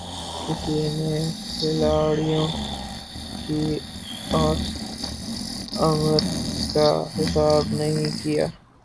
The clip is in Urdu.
کسی نے کھلاڑیوں کی اوسط عمر کا حساب نہیں کِیا